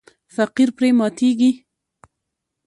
فقیر پرې ماتیږي.